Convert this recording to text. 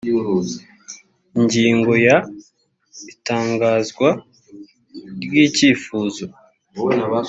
ingingo ya…: itangazwa ry’icyifuzo